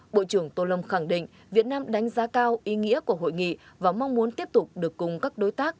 bộ trưởng tô lâm khẳng định việt nam đánh giá cao ý nghĩa của hội nghị và mong muốn tiếp tục được cùng các đối tác